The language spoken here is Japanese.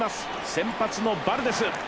先発のバルデス。